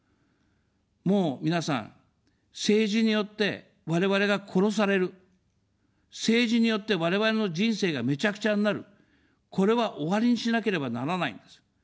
もう皆さん、政治によって我々が殺される、政治によって我々の人生がめちゃくちゃになる、これは終わりにしなければならないんです。